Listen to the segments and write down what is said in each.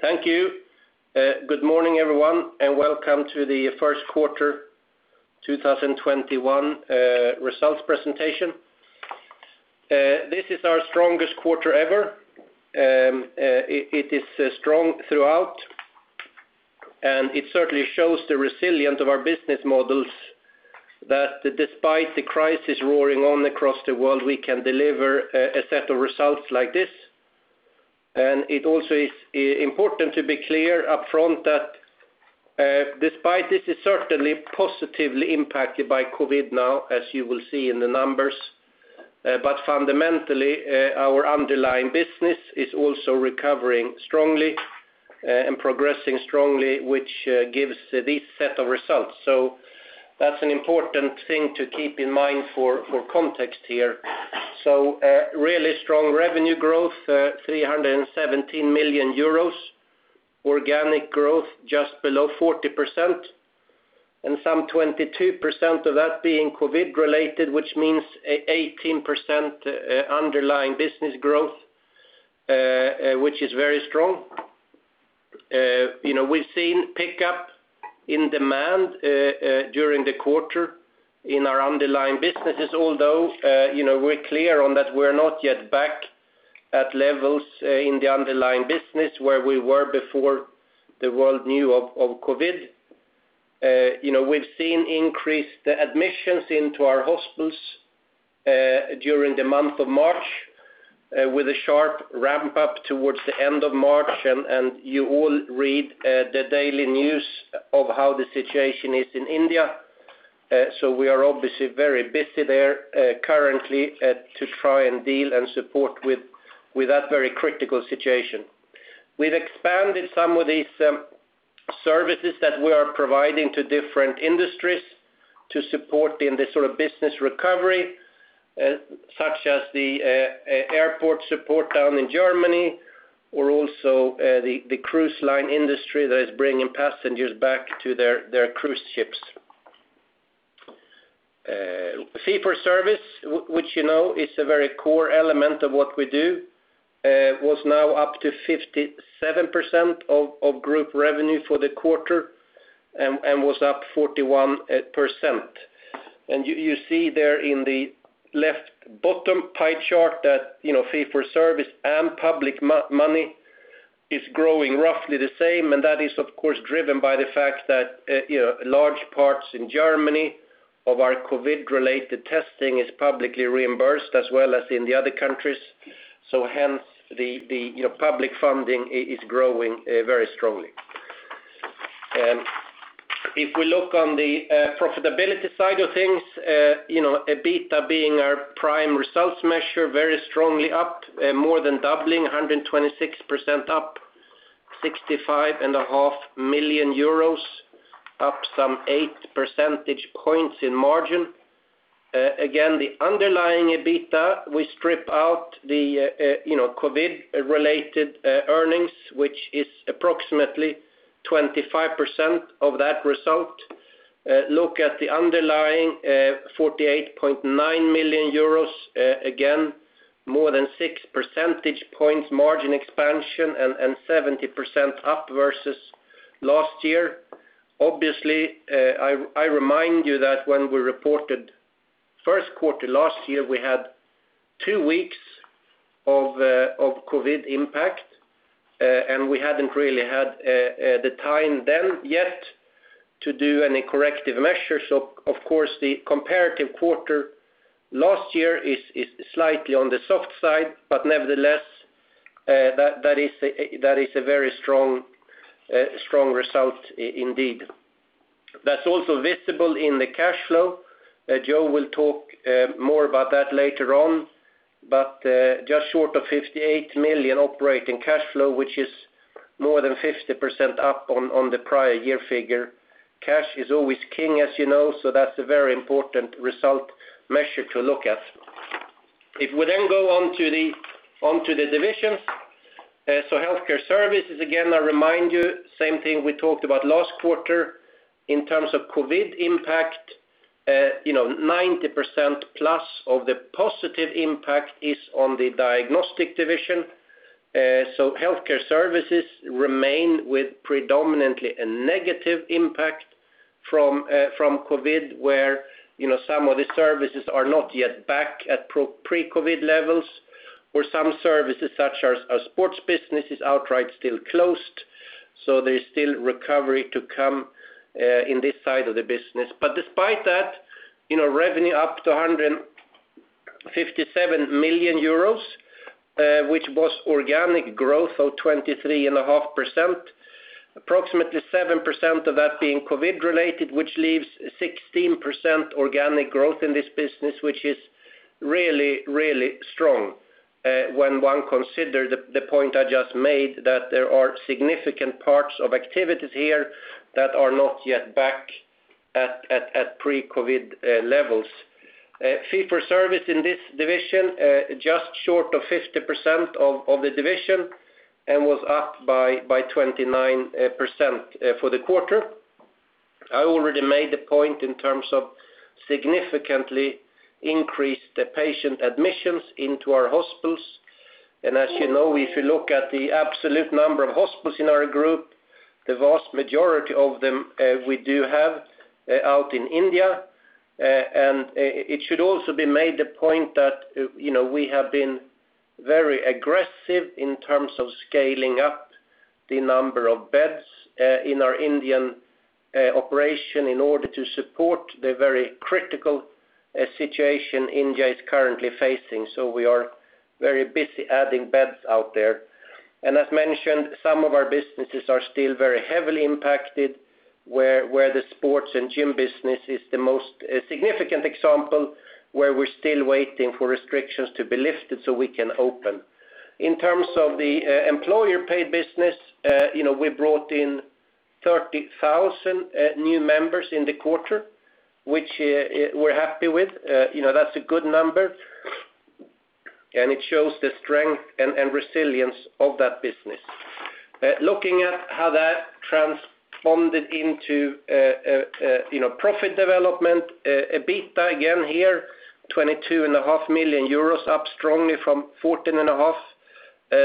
Thank you. Good morning, everyone, and welcome to the first quarter 2021 results presentation. This is our strongest quarter ever. It is strong throughout, and it certainly shows the resilience of our business models that despite the crisis roaring on across the world, we can deliver a set of results like this. It also is important to be clear upfront that despite this is certainly positively impacted by COVID now, as you will see in the numbers. Fundamentally, our underlying business is also recovering strongly and progressing strongly, which gives this set of results. That's an important thing to keep in mind for context here. A really strong revenue growth, 317 million euros. Organic growth just below 40%, and some 22% of that being COVID related, which means a 18% underlying business growth, which is very strong. We've seen pickup in demand during the quarter in our underlying businesses, although we're clear on that we're not yet back at levels in the underlying business where we were before the world knew of COVID. We've seen increased admissions into our hospitals during the month of March with a sharp ramp up towards the end of March, and you all read the daily news of how the situation is in India. We are obviously very busy there currently to try and deal and support with that very critical situation. We've expanded some of these services that we are providing to different industries to support in this sort of business recovery, such as the airport support down in Germany or also the cruise line industry that is bringing passengers back to their cruise ships. Fee for service, which you know is a very core element of what we do was now up to 57% of group revenue for the quarter and was up 41%. You see there in the left bottom pie chart that fee for service and public money is growing roughly the same, and that is of course driven by the fact that large parts in Germany of our COVID related testing is publicly reimbursed as well as in the other countries. Hence the public funding is growing very strongly. If we look on the profitability side of things, EBITDA being our prime results measure very strongly up, more than doubling, 126% up, 65.5 million euros up some eight percentage points in margin. Again, the underlying EBITDA, we strip out the COVID related earnings, which is approximately 25% of that result. Look at the underlying 48.9 million euros, again, more than six percentage points margin expansion and 70% up versus last year. Obviously, I remind you that when we reported first quarter last year, we had two weeks of COVID impact, and we hadn't really had the time then yet to do any corrective measures. Of course, the comparative quarter last year is slightly on the soft side, but nevertheless, that is a very strong result indeed. That's also visible in the cash flow. Joe will talk more about that later on. Just short of 58 million operating cash flow, which is more than 50% up on the prior year figure. Cash is always king, as you know, so that's a very important result measure to look at. If we go on to the divisions. Healthcare services, again, I remind you, same thing we talked about last quarter in terms of COVID impact. 90% plus of the positive impact is on the Diagnostic division. Healthcare services remain with predominantly a negative impact from COVID, where some of the services are not yet back at pre-COVID levels or some services such as our sports business is outright still closed. There's still recovery to come in this side of the business. Despite that, revenue up to 157 million euros, which was organic growth of 23.5%. Approximately 7% of that being COVID related, which leaves 16% organic growth in this business, which is really strong. When one consider the point I just made, that there are significant parts of activities here that are not yet back at pre-COVID levels. Fee for service in this division, just short of 50% of the division and was up by 29% for the quarter. I already made the point in terms of significantly increased the patient admissions into our hospitals. As you know, if you look at the absolute number of hospitals in our group, the vast majority of them we do have out in India. It should also be made the point that we have been very aggressive in terms of scaling up the number of beds in our Indian operation in order to support the very critical situation India is currently facing. We are very busy adding beds out there. As mentioned, some of our businesses are still very heavily impacted, where the sports and gym business is the most significant example, where we're still waiting for restrictions to be lifted so we can open. In terms of the employer paid business, we brought in 30,000 new members in the quarter, which we're happy with. That's a good number. It shows the strength and resilience of that business. Looking at how that transformed into profit development, EBITDA again here, 22.5 million euros, up strongly from 14.5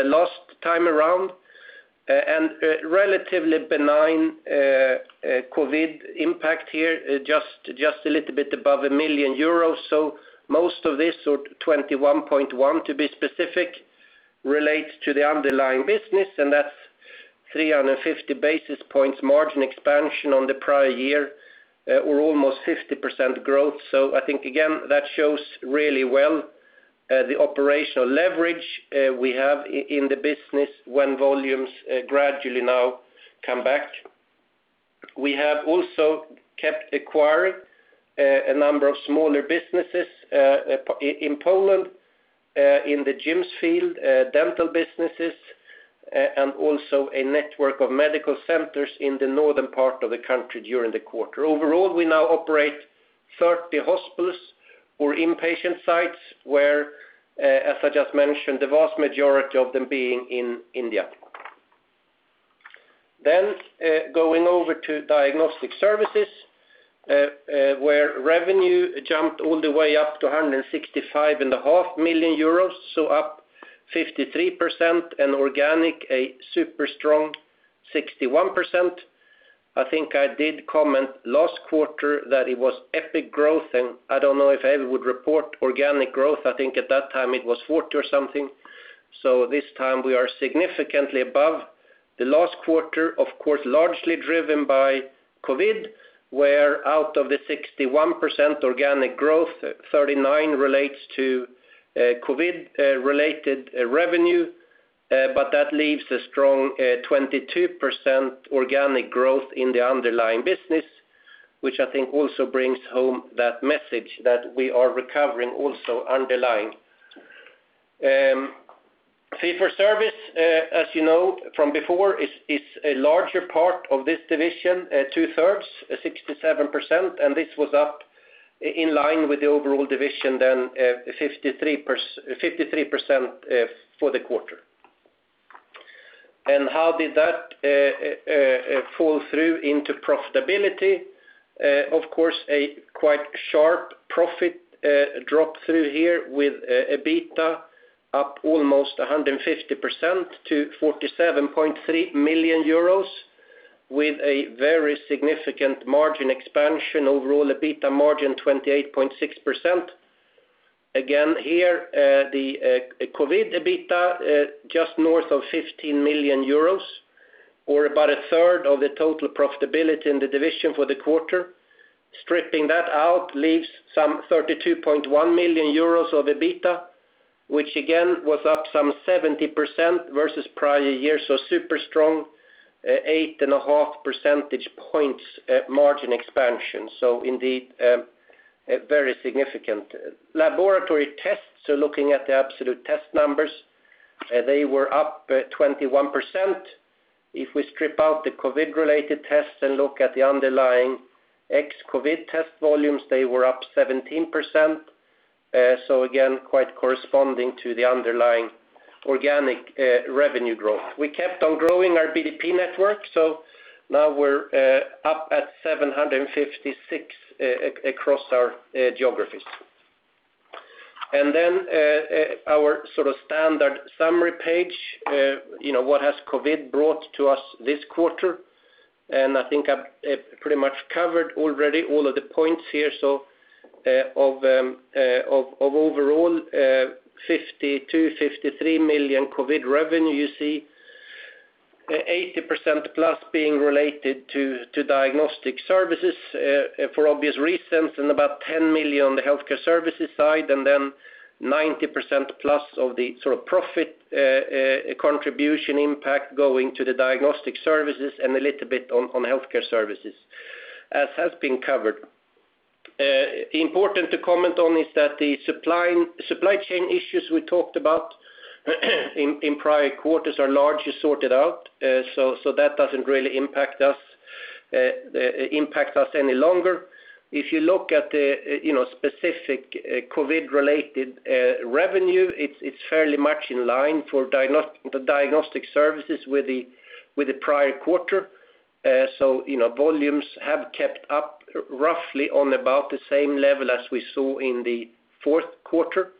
last time around. Relatively benign COVID impact here, just a little bit above 1 million euros. Most of this, or 21.1 to be specific, relates to the underlying business, and that's 350 basis points margin expansion on the prior year or almost 50% growth. I think again, that shows really well the operational leverage we have in the business when volumes gradually now come back. We have also kept acquiring a number of smaller businesses in Poland, in the gyms field, dental businesses, and also a network of medical centers in the northern part of the country during the quarter. Overall, we now operate 30 hospitals or inpatient sites where, as I just mentioned, the vast majority of them being in India. Going over to diagnostic services, where revenue jumped all the way up to 165.5 million euros, so up 53%, and organic a super strong 61%. I think I did comment last quarter that it was epic growth, and I don't know if I ever would report organic growth. I think at that time it was 40 or something. This time we are significantly above the last quarter. Of course, largely driven by COVID, where out of the 61% organic growth, 39% relates to COVID-related revenue. That leaves a strong 22% organic growth in the underlying business, which I think also brings home that message that we are recovering also underlying. Fee-for-service, as you know from before, is a larger part of this division, two-thirds, 67%, and this was up in line with the overall division than 53% for the quarter. How did that fall through into profitability? Of course, a quite sharp profit drop through here with EBITDA up almost 150% to 47.3 million euros, with a very significant margin expansion. Overall EBITDA margin 28.6%. Again here, the COVID EBITDA just north of 15 million euros, or about a third of the total profitability in the division for the quarter. Stripping that out leaves some 32.1 million euros of EBITDA, which again was up some 70% versus prior year. Super strong 8.5 percentage points margin expansion. Indeed, very significant. Laboratory tests are looking at the absolute test numbers. They were up 21%. If we strip out the COVID-related tests and look at the underlying ex-COVID test volumes, they were up 17%. Again, quite corresponding to the underlying organic revenue growth. We kept on growing our BDP network. Now we're up at 756 across our geographies. Our standard summary page, what has COVID brought to us this quarter? I think I've pretty much covered already all of the points here. Of overall 52-53 million COVID revenue you see, 80%+ being related to diagnostic services for obvious reasons and about 10 million on the healthcare services side. 90%+ of the profit contribution impact going to the diagnostic services and a little bit on healthcare services, as has been covered. Important to comment on is that the supply chain issues we talked about in prior quarters are largely sorted out. That doesn't really impact us any longer. If you look at the specific COVID-related revenue, it's fairly much in line for the diagnostic services with the prior quarter. Volumes have kept up roughly on about the same level as we saw in the fourth quarter.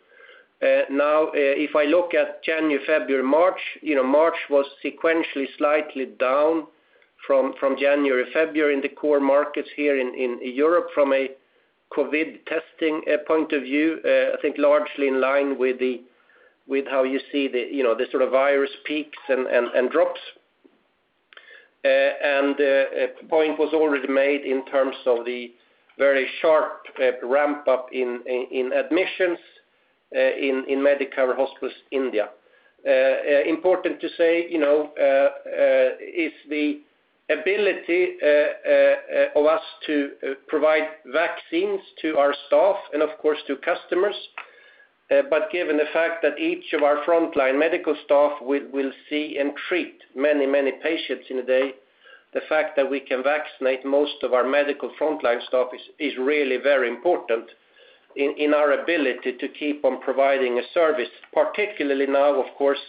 Now, if I look at January, February, March was sequentially slightly down from January, February in the core markets here in Europe from a COVID testing point of view. I think largely in line with how you see the sort of virus peaks and drops. The point was already made in terms of the very sharp ramp-up in admissions in Medicover Hospitals, India. Important to say is the ability of us to provide vaccines to our staff and of course, to customers. Given the fact that each of our frontline medical staff will see and treat many patients in a day, the fact that we can vaccinate most of our medical frontline staff is really very important in our ability to keep on providing a service. Particularly now, of course,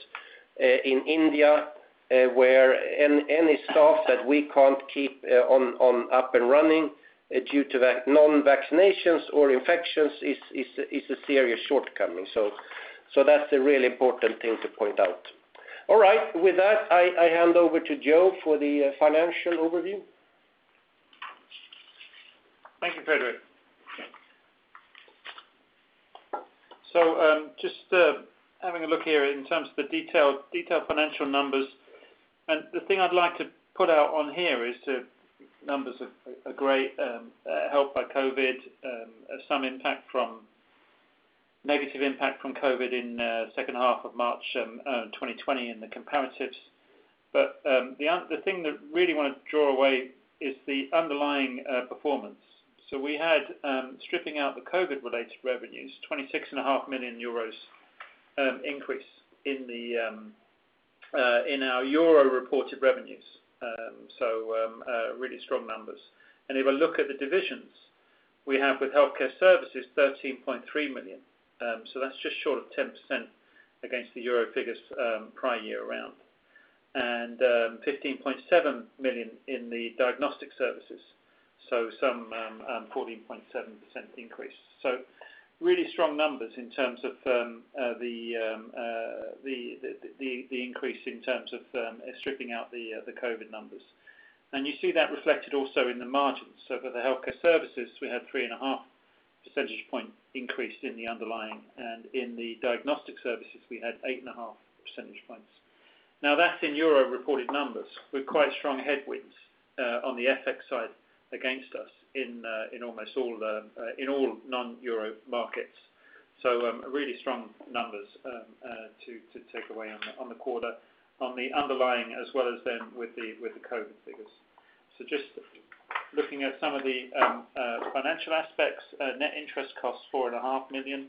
in India where any staff that we can't keep up and running due to non-vaccinations or infections is a serious shortcoming. That's a really important thing to point out. All right. With that, I hand over to Joe for the financial overview. Thank you, Fredrik. Just having a look here in terms of the detailed financial numbers. The thing I'd like to put out on here is the numbers are great, helped by COVID. Some negative impact from COVID in the second half of March 2020 in the comparatives. The thing that really want to draw away is the underlying performance. We had, stripping out the COVID-related revenues, 26.5 million euros increase in our euro reported revenues. Really strong numbers. If I look at the divisions, we have with healthcare services, 13.3 million. That's just short of 10% against the euro figures prior year around. 15.7 million in the diagnostic services. Some 14.7% increase. Really strong numbers in terms of the increase in terms of stripping out the COVID numbers. You see that reflected also in the margins. For the Healthcare Services, we had 3.5 percentage point increase in the underlying, and in the Diagnostic Services, we had 8.5 percentage points. Now that's in euro reported numbers with quite strong headwinds on the FX side against us in all non-euro markets. Really strong numbers to take away on the quarter on the underlying as well as then with the COVID figures. Just looking at some of the financial aspects. Net interest costs, 4.5 million.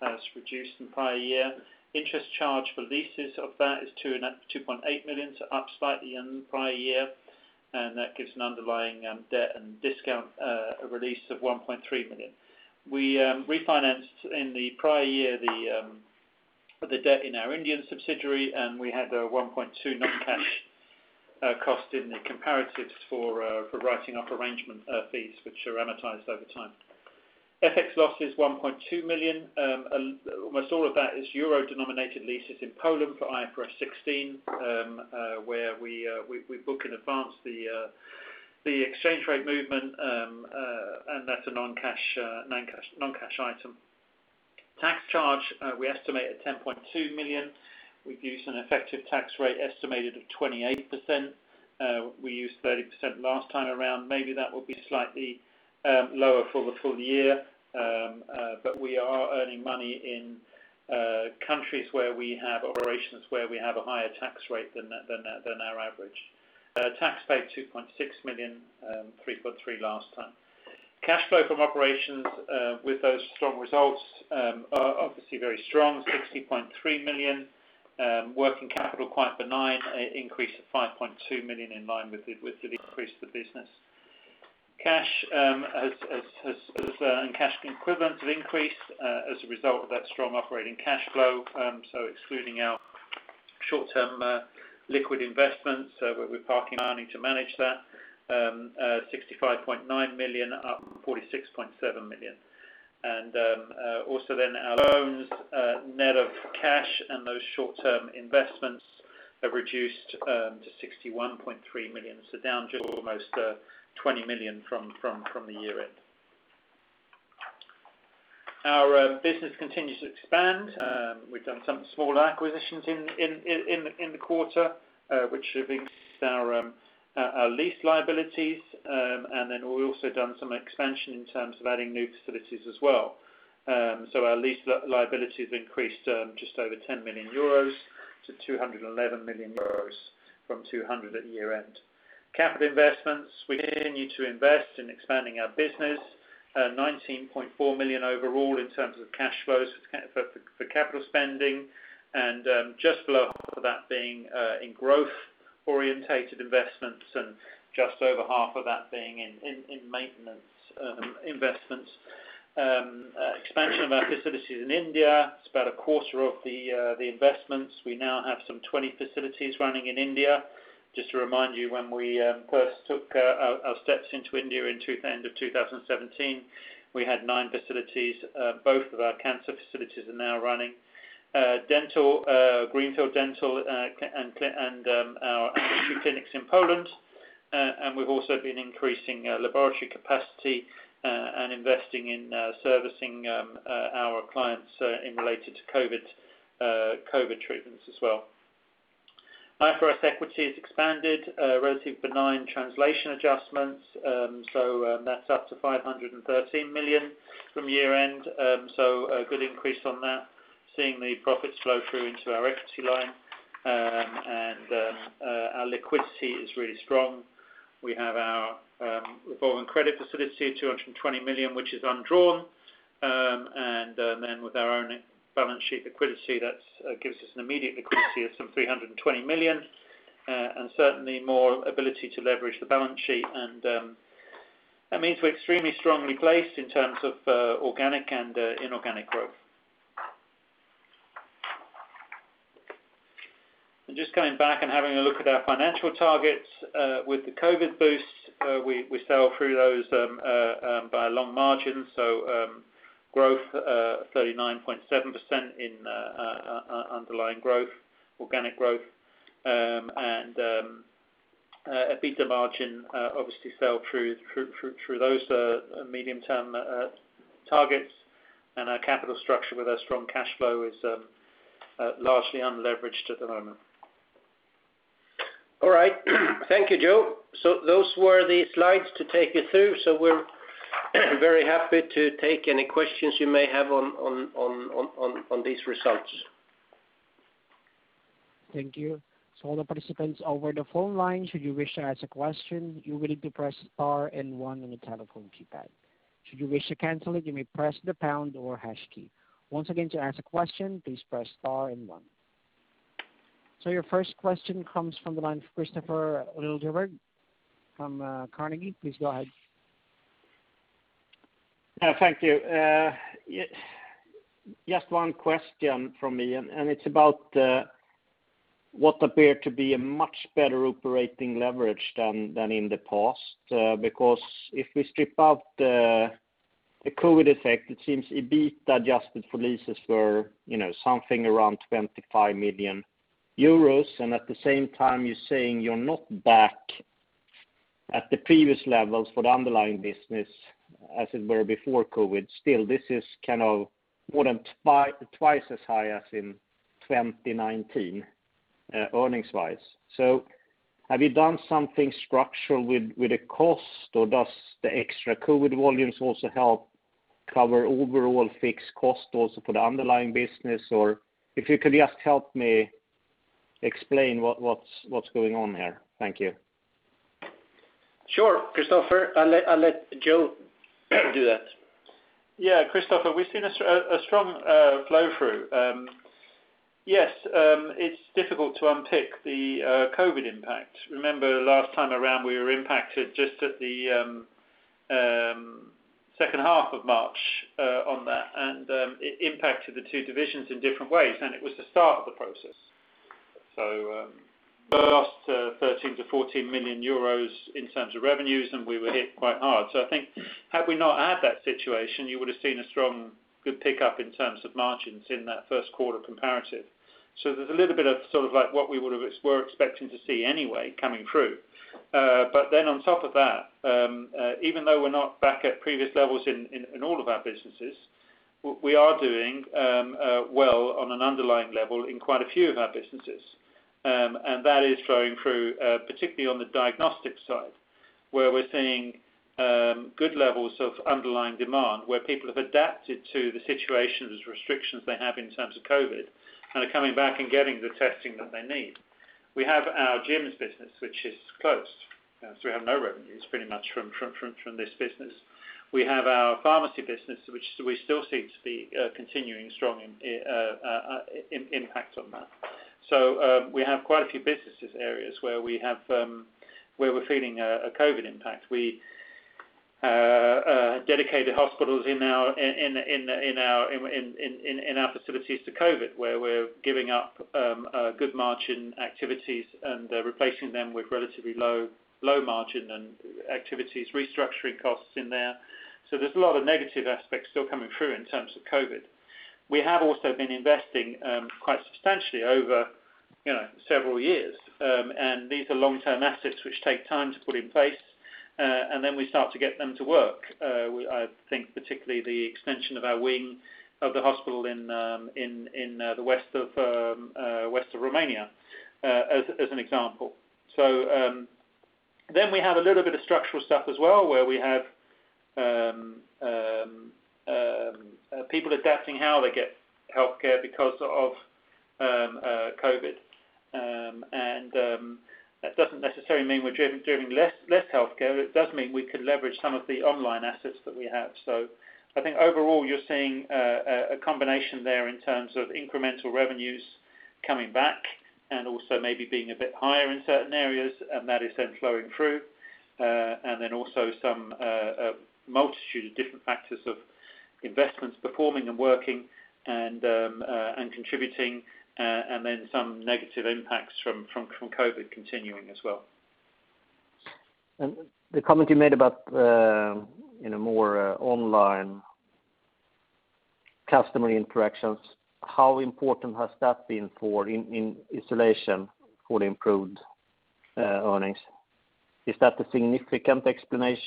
That's reduced from prior year. Interest charge for leases of that is 2.8 million, so up slightly on the prior year. That gives an underlying debt and discount release of 1.3 million. We refinanced in the prior year the debt in our Indian subsidiary, and we had a 1.2 million non-cash cost in the comparatives for writing off arrangement fees, which are amortized over time. FX loss is 1.2 million. Almost all of that is euro-denominated leases in Poland for IFRS 16 where we book in advance the exchange rate movement, and that's a non-cash item. Tax charge, we estimate at 10.2 million. We've used an effective tax rate estimated at 28%. We used 30% last time around. Maybe that will be slightly lower for the full year. We are earning money in countries where we have operations where we have a higher tax rate than our average. Tax paid 2.6 million, 3.3 million last time. Cash flow from operations with those strong results are obviously very strong, 60.3 million. Working capital quite benign, an increase of 5.2 million in line with the increase of the business. Cash and cash equivalents have increased as a result of that strong operating cash flow. Excluding our short-term liquid investments where we're parking our earning to manage that. 65.9 million up from 46.7 million. Our loans net of cash and those short-term investments have reduced to 61.3 million. Down just almost 20 million from the year end. Our business continues to expand. We've done some small acquisitions in the quarter which have increased our lease liabilities. We've also done some expansion in terms of adding new facilities as well. Our lease liability has increased just over 10 million euros to 211 million euros from 200 at year end. Capital investments. We continue to invest in expanding our business. 19.4 million overall in terms of cash flows for capital spending and just below that being in growth-oriented investments and just over half of that being in maintenance investments. Expansion of our facilities in India, it's about a quarter of the investments. We now have some 20 facilities running in India. Just to remind you, when we first took our steps into India end of 2017, we had nine facilities. Both of our cancer facilities are now running. Greenfield dental and our two clinics in Poland. We've also been increasing laboratory capacity and investing in servicing our clients in related to COVID treatments as well. IFRS equity has expanded relative benign translation adjustments. That's up to 513 million from year-end. A good increase on that, seeing the profits flow through into our equity line. Our liquidity is really strong. We have our revolving credit facility of 220 million, which is undrawn. With our own balance sheet liquidity, that gives us an immediate liquidity of some 320 million, and certainly more ability to leverage the balance sheet. That means we're extremely strongly placed in terms of organic and inorganic growth. just coming back and having a look at our financial targets, with the COVID boost we sailed through those by a long margin. growth 39.7% in underlying growth, organic growth, and EBITDA margin obviously sailed through those medium term targets. our capital structure with our strong cash flow is largely unleveraged at the moment. All right. Thank you, Joe. Those were the slides to take you through. We're very happy to take any questions you may have on these results. Thank you. So all the participants over the phone line, should you wish to ask a question, you will need to press star and one on your telephone keypad. Should you wish to cancel it, you may press the pound or hash key. Once again, to ask a question, please press star and one. So your first question comes from the line of Kristofer Liljeberg from Carnegie. Please go ahead. Thank you. Just one question from me, and it's about what appeared to be a much better operating leverage than in the past. If we strip out the COVID effect, it seems EBITDA adjusted for leases were something around 25 million euros. At the same time, you're saying you're not back at the previous levels for the underlying business as it were before COVID. Still, this is more than twice as high as in 2019, earnings wise. Have you done something structural with the cost, or does the extra COVID volumes also help cover overall fixed cost also for the underlying business? If you could just help me explain what's going on here. Thank you. Sure. Kristofer, I'll let Joe do that. Yeah. Kristofer, we've seen a strong flow through. Yes. It's difficult to unpick the COVID impact. Remember, last time around we were impacted just at the second half of March on that. It impacted the two divisions in different ways, and it was the start of the process. We lost 13-14 million euros in terms of revenues, and we were hit quite hard. I think had we not had that situation, you would've seen a strong, good pickup in terms of margins in that first quarter comparative. There's a little bit of what we were expecting to see anyway coming through. On top of that even though we're not back at previous levels in all of our businesses, we are doing well on an underlying level in quite a few of our businesses. That is flowing through particularly on the diagnostic side, where we're seeing good levels of underlying demand. Where people have adapted to the situations, restrictions they have in terms of COVID, and are coming back and getting the testing that they need. We have our gyms business, which is closed. We have no revenues pretty much from this business. We have our pharmacy business, which we still see to be continuing strong impact on that. We have quite a few businesses areas where we're feeling a COVID impact. We dedicated hospitals in our facilities to COVID, where we're giving up good margin activities and replacing them with relatively low margin and activities, restructuring costs in there. There's a lot of negative aspects still coming through in terms of COVID. We have also been investing quite substantially over several years. These are long-term assets which take time to put in place, and then we start to get them to work. I think particularly the extension of our wing of the hospital in the west of Romania as an example. we have a little bit of structural stuff as well where we have people adapting how they get healthcare because of COVID. that doesn't necessarily mean we're doing less healthcare. It does mean we could leverage some of the online assets that we have. I think overall you're seeing a combination there in terms of incremental revenues coming back, and also maybe being a bit higher in certain areas, and that is then flowing through. some multitude of different factors of investments performing and working, and contributing, and then some negative impacts from COVID continuing as well. The comment you made about more online customer interactions, how important has that been in installation for the improved earnings? Is that a significant explanation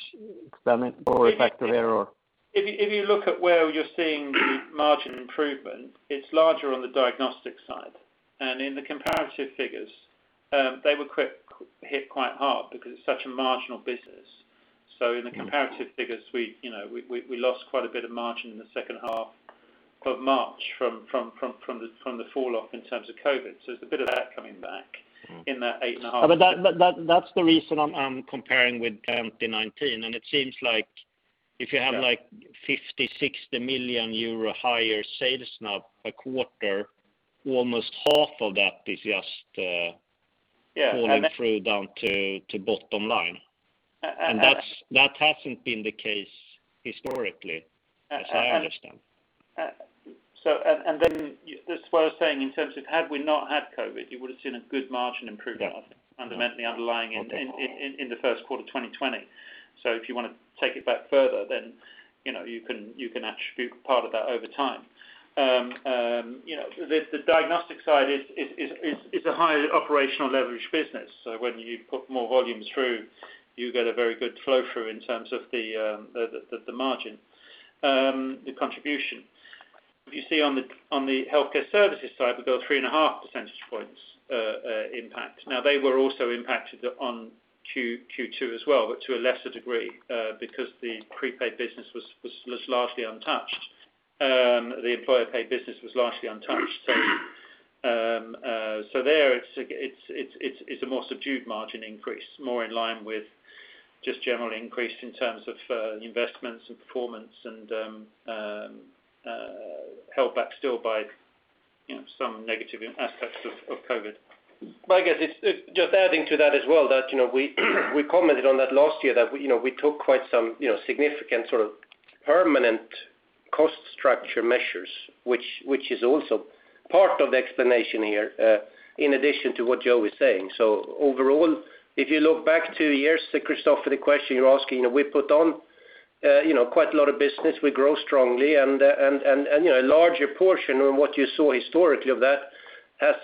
or a factor there or? If you look at where you're seeing the margin improvement, it's larger on the diagnostic side. In the comparative figures, they were hit quite hard because it's such a marginal business. In the comparative figures, we lost quite a bit of margin in the second half of March from the falloff in terms of COVID. There's a bit of that coming back in that eight and a half. That's the reason I'm comparing with 2019, and it seems like if you have 50 million-60 million euro higher sales now per quarter, almost half of that is just falling through down to bottom line. That hasn't been the case historically, as I understand. This is what I was saying in terms of had we not had COVID, you would've seen a good margin improvement, I think, fundamentally underlying in the first quarter of 2020. if you want to take it back further, then you can attribute part of that over time. The diagnostic side is a highly operational leverage business. when you put more volumes through, you get a very good flow-through in terms of the margin, the contribution. If you see on the healthcare services side, we've got three and a half percentage points impact. Now they were also impacted on Q2 as well, but to a lesser degree, because the prepaid business was largely untouched. The employer-paid business was largely untouched. There, it's a more subdued margin increase, more in line with just general increase in terms of investments and performance and held back still by some negative aspects of COVID. I guess it's just adding to that as well, that we commented on that last year, that we took quite some significant sort of permanent cost structure measures, which is also part of the explanation here, in addition to what Joe is saying. Overall, if you look back two years, to Kristofer, the question you're asking, we put on quite a lot of business. We grow strongly and a larger portion of what you saw historically of that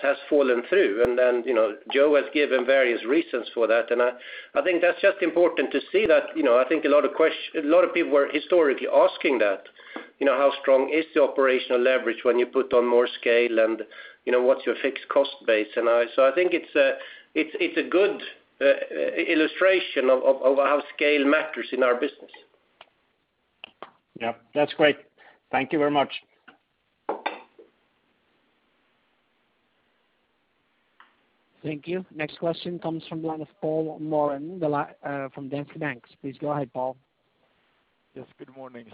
has fallen through. Joe has given various reasons for that. I think that's just important to see that. I think a lot of people were historically asking that, how strong is the operational leverage when you put on more scale and what's your fixed cost base? I think it's a good illustration of how scale matters in our business. Yep. That's great. Thank you very much. Thank you. Next question comes from the line of Paul Morland from Danske Bank. Please go ahead, Paul. Yes, good morning.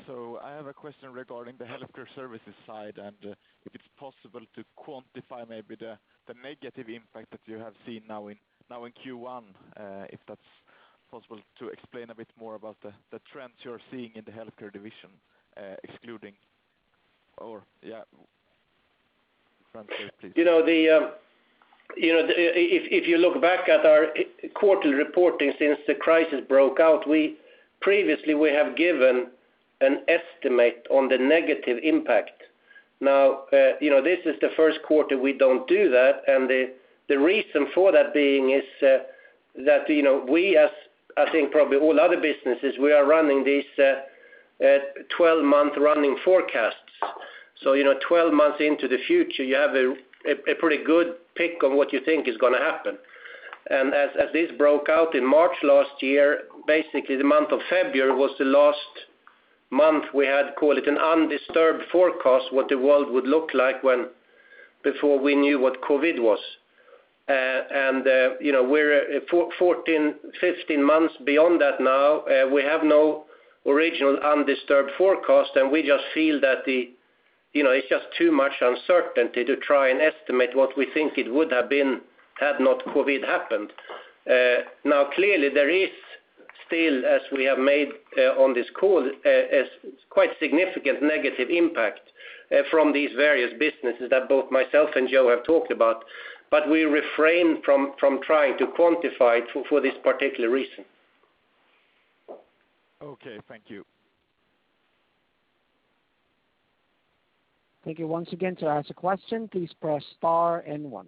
I have a question regarding the healthcare services side, and if it's possible to quantify maybe the negative impact that you have seen now in Q1. If that's possible to explain a bit more about the trends you're seeing in the healthcare division excluding or, yeah. Fredrik, please. If you look back at our quarterly reporting since the crisis broke out, previously we have given an estimate on the negative impact. Now, this is the first quarter we don't do that, and the reason for that being is that we, as I think probably all other businesses, we are running these 12-month running forecasts. 12 months into the future, you have a pretty good pick on what you think is going to happen. as this broke out in March last year, basically the month of February was the last month we had, call it an undisturbed forecast, what the world would look like before we knew what COVID was. We're 14, 15 months beyond that now. We have no original undisturbed forecast, and we just feel that it's just too much uncertainty to try and estimate what we think it would have been had not COVID happened. Now, clearly there is still, as we have made on this call, a quite significant negative impact from these various businesses that both myself and Joe have talked about, but we refrain from trying to quantify it for this particular reason. Okay. Thank you. Thank you. Once again, to ask a question, please press star and one.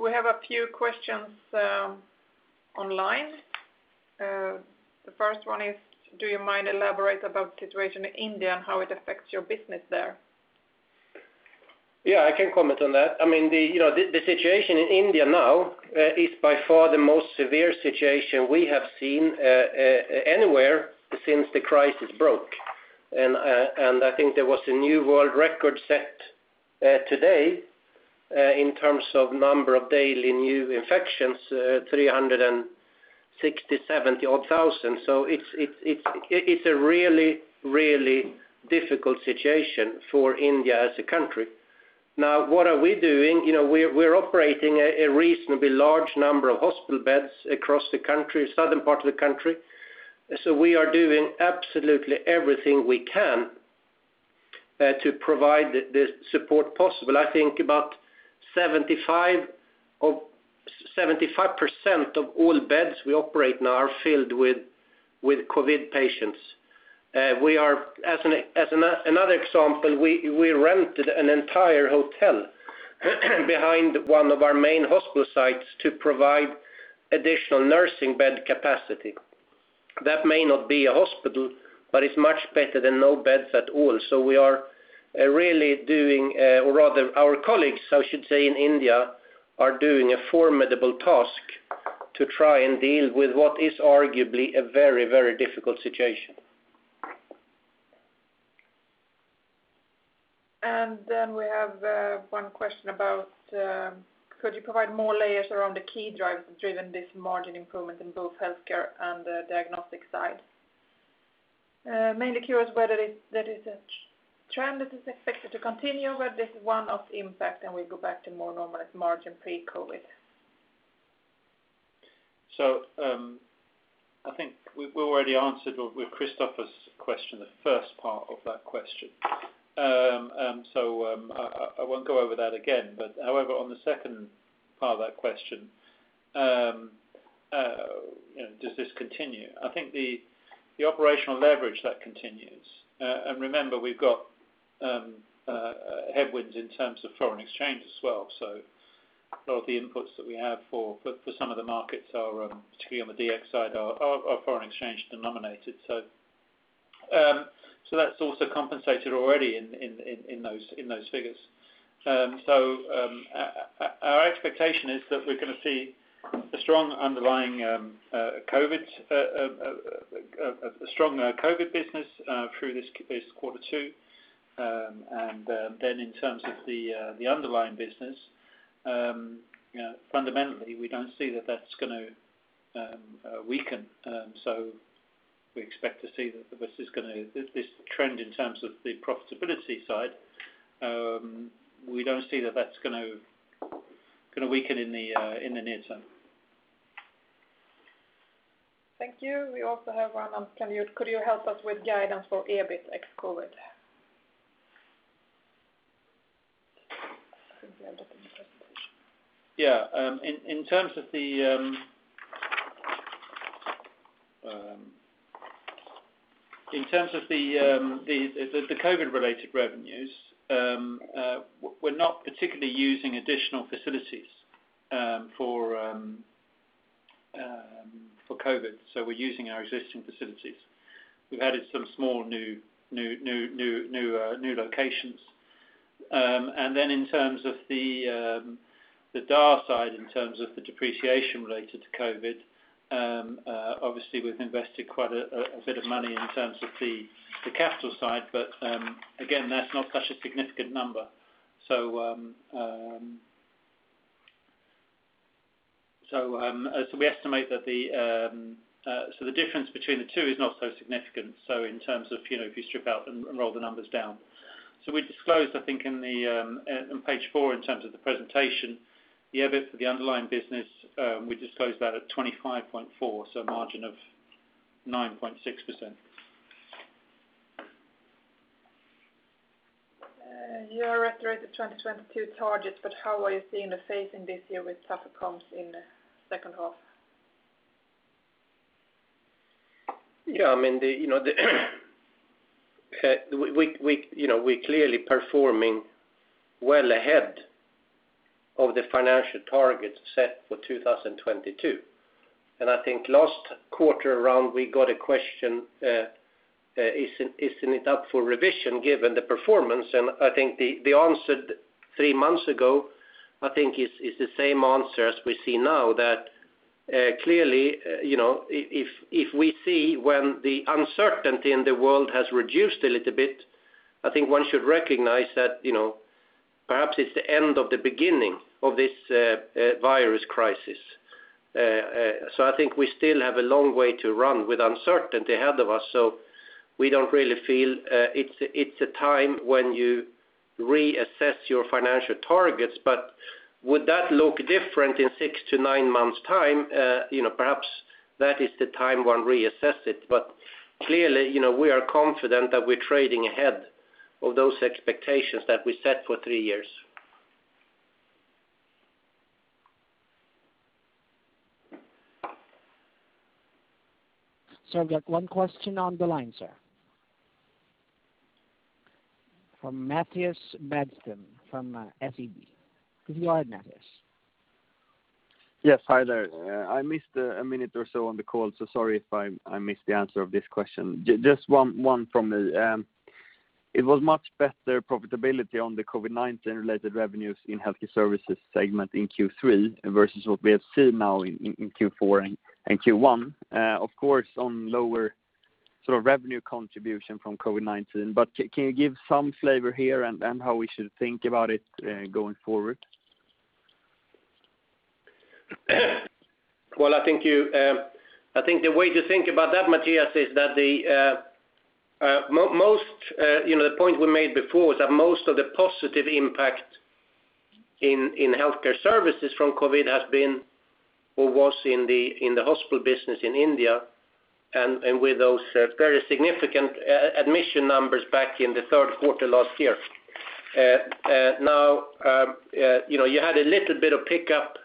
We have a few questions online. The first one is, do you mind elaborating about the situation in India and how it affects your business there? Yeah, I can comment on that. The situation in India now is by far the most severe situation we have seen anywhere since the crisis broke. I think there was a new world record set today in terms of number of daily new infections, 360,000 or 370,000 it's a really difficult situation for India as a country. Now, what are we doing? We're operating a reasonably large number of hospital beds across the country, southern part of the country. we are doing absolutely everything we can to provide the support possible. I think about 75% of all beds we operate now are filled with COVID patients. As another example, we rented an entire hotel behind one of our main hospital sites to provide additional nursing bed capacity. That may not be a hospital, but it's much better than no beds at all. we are really doing, or rather our colleagues, I should say, in India are doing a formidable task to try and deal with what is arguably a very difficult situation. We have one question about, could you provide more layers around the key drivers driven this margin improvement in both healthcare and the diagnostic side? Mainly curious whether that is a trend that is expected to continue with this one-off impact, and we go back to more normalized margin pre-COVID. I think we already answered with Kristofer question, the first part of that question. I won't go over that again. However, on the second part of that question, does this continue? I think the operational leverage that continues. Remember, we've got headwinds in terms of foreign exchange as well. A lot of the inputs that we have for some of the markets are particularly on the DX side are foreign exchange denominated. That's also compensated already in those figures. Our expectation is that we're going to see a strong underlying COVID business through this quarter two. Then in terms of the underlying business, fundamentally, we don't see that that's going to weaken. We expect to see that this trend in terms of the profitability side, we don't see that that's going to weaken in the near term. Thank you. We also have one on CapEx. Could you help us with guidance for EBIT ex COVID? I think we have that in the presentation. Yeah. In terms of the COVID related revenues, we're not particularly using additional facilities for COVID, so we're using our existing facilities. We've added some small new locations. In terms of the D&A side, in terms of the depreciation related to COVID, obviously we've invested quite a bit of money in terms of the capital side. Again, that's not such a significant number. We estimate that the difference between the two is not so significant. In terms of if you strip out and roll the numbers down. We disclosed, I think in page four, in terms of the presentation, the EBIT for the underlying business. We disclosed that at 25.4, so margin of 9.6%. You are reiterated 2022 targets, but how are you seeing the phase in this year with traffic comps in the second half? Yeah. We're clearly performing well ahead of the financial targets set for 2022. I think last quarter around we got a question, isn't it up for revision given the performance? I think the answer three months ago, I think is the same answer as we see now that, clearly, if we see when the uncertainty in the world has reduced a little bit, I think one should recognize that perhaps it's the end of the beginning of this virus crisis. I think we still have a long way to run with uncertainty ahead of us. We don't really feel it's a time when you reassess your financial targets. Would that look different in six to nine months time? Perhaps that is the time one reassess it. Clearly, we are confident that we're trading ahead of those expectations that we set for three years. I've got one question on the line, sir. From Mattias Vadsten from SEB. Go ahead, Mattias. Yes. Hi there. I missed a minute or so on the call, so sorry if I missed the answer of this question. Just one from me. It was much better profitability on the COVID-19 related revenues in healthcare services segment in Q3 versus what we have seen now in Q4 and Q1. Of course, on lower sort of revenue contribution from COVID-19. Can you give some flavor here and how we should think about it going forward? Well, I think the way to think about that, Mattias, is that the point we made before is that most of the positive impact in healthcare services from COVID has been, or was in the hospital business in India, and with those very significant admission numbers back in the third quarter last year. Now, you had a little bit of pickup,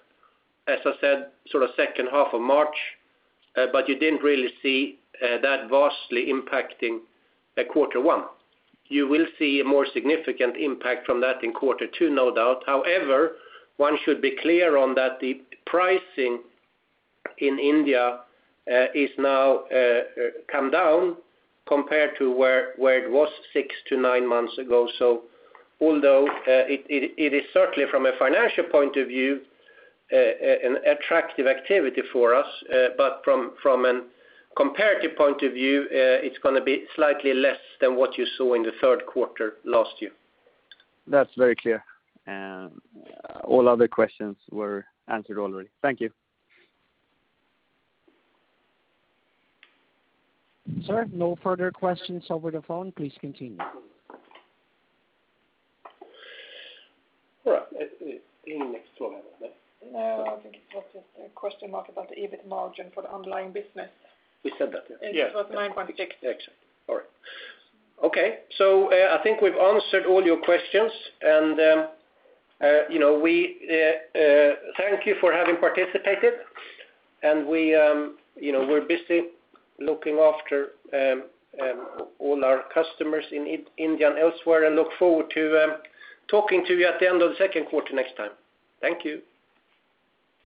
as I said, second half of March, but you didn't really see that vastly impacting quarter one. You will see a more significant impact from that in quarter two, no doubt. However, one should be clear on that the pricing in India is now come down compared to where it was six to nine months ago. although it is certainly from a financial point of view, an attractive activity for us, but from a comparative point of view, it's going to be slightly less than what you saw in the third quarter last year. That's very clear. All other questions were answered already. Thank you. Sir, no further questions over the phone. Please continue. All right. Anything next to that, or no? No, I think it was just a question mark about the EBIT margin for the underlying business. We said that, yeah. It was 9.6. Excellent. All right. Okay, I think we've answered all your questions, and thank you for having participated. We're busy looking after all our customers in India and elsewhere, and look forward to talking to you at the end of the second quarter next time. Thank you.